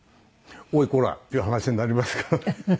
「おいこら！」っていう話になりますから。